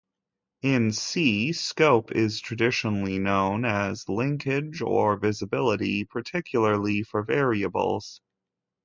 In C, scope is traditionally known as linkage or visibility, particularly for variables.